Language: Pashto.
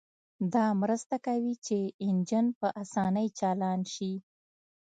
دا مرسته کوي چې انجن په اسانۍ چالان شي